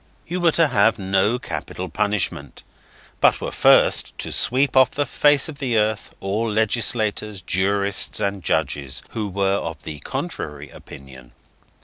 You were to have no capital punishment, but were first to sweep off the face of the earth all legislators, jurists, and judges, who were of the contrary opinion.